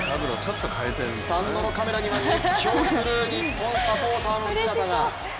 スタンドのカメラには熱狂する日本サポーターの姿が。